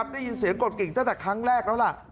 ได้ยินเสียงกดกิ่งตั้งแต่ครั้งแรกแล้วล่ะ